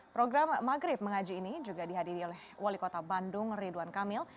program maghrib mengaji ini juga dihadiri oleh wali kota bandung ridwan kamil